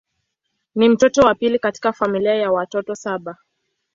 Ni mtoto wa pili katika familia ya watoto saba.